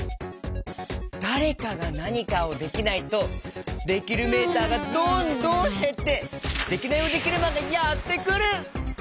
だれかがなにかをできないとできるメーターがどんどんへってデキナイヲデキルマンがやってくる！